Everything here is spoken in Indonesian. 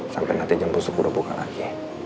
sampai nanti jemput suku udah buka lagi